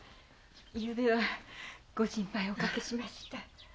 昨夜はご心配をおかけしました。